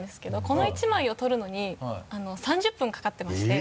この１枚を撮るのに３０分掛かってまして。